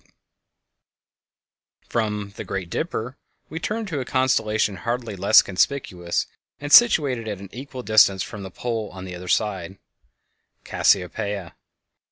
[Illustration: Cassiopeia] From the "Great Dipper" we turn to a constellation hardly less conspicuous and situated at an equal distance from the pole on the other side—Cassiopeia.